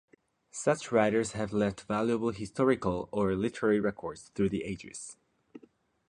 Such writers have left valuable historical or literary records through the ages.